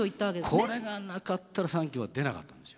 これがなかったら「サンキュー」は出なかったんですよ。